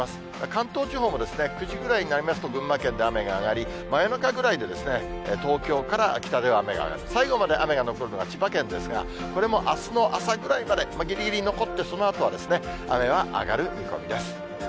関東地方も９時ぐらいになりますと、群馬県で雨が上がり、真夜中くらいで、東京から北では雨が、最後まで雨が残るのは千葉県ですが、これもあすの朝ぐらいまで、ぎりぎり残ってそのあとは雨は上がる見込みです。